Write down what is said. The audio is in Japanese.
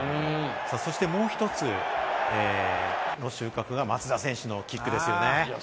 そしてもう１つ、この収穫は松田選手のキックですよね。